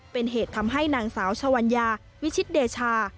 เป็นเหตุทำให้นางสาวชวัญญาวิชิตเดชา